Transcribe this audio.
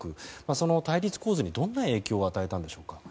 その対立構図にどんな影響を与えたのでしょうか。